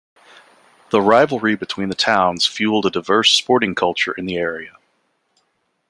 The rivalry between the towns fuelled a diverse sporting culture in the area.